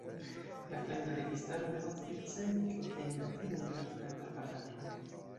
La Flandra Registaro devas ricevi kaj teni la fidon de la Flandra Parlamento.